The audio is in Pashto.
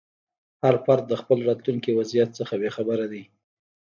هر فرد د خپل راتلونکي وضعیت څخه بې خبره دی.